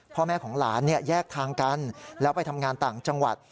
พ่อแม่ของหลานแยกทางกันแล้วไปทำงานต่างจังหวัด